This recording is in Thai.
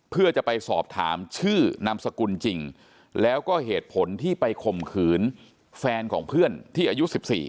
เพื่อจะไปสอบถามชื่อนามสกุลจริงแล้วก็เหตุผลที่ไปข่มขืนแฟนของเพื่อนที่อายุ๑๔